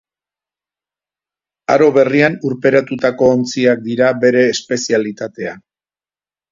Aro berrian urperatutako ontziak dira bere espezialitatea.